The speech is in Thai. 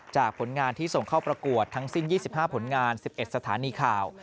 ผลงานที่ส่งเข้าประกวดทั้งสิ้น๒๕ผลงาน๑๑สถานีข่าว